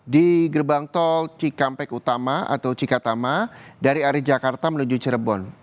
di gerbang tol cikampek utama atau cikatama dari arah jakarta menuju cirebon